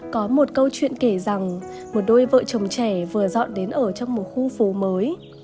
có một câu chuyện kể rằng một đôi vợ chồng trẻ vừa dọn đến ở trong một khu phố mới